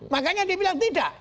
makanya dia bilang tidak